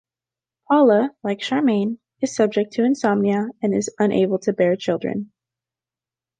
Paula, like Charmian, is subject to insomnia and is unable to bear children.